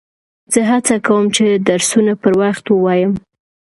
زه هڅه کوم، چي درسونه پر وخت ووایم.